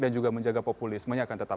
dan juga menjaga populismenya akan tetap